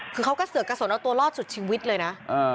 คือเขาก็เสือกกระสนเอาตัวรอดสุดชีวิตเลยนะ